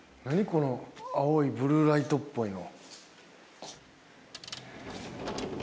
この青いブルーライトっぽいの。